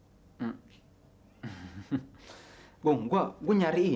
nggak ada kamar yang lebih berantakan kayak kamar bos begini ya